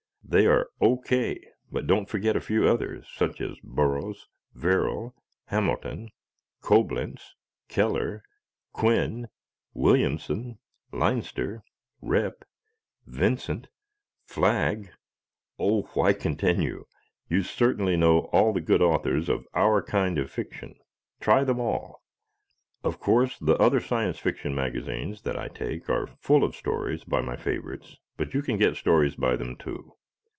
They are O. K., but don't forget a few others, such as Burroughs, Verrill, Hamilton, Coblentz, Keller, Quinn, Williamson, Leinster, Repp, Vincent, Flagg oh, why continue; you certainly know all the good authors of OUR kind of fiction; try them all. Of course, the other Science Fiction magazines that I take are full of stories by my favorites, but you can get stories by them too.